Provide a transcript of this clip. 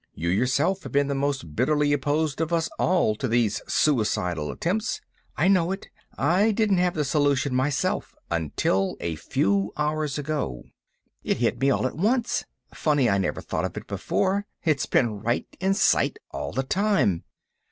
You yourself have been the most bitterly opposed of us all to these suicidal attempts." "I know it—I didn't have the solution myself until a few hours ago—it hit me all at once. Funny I never thought of it before; it's been right in sight all the time."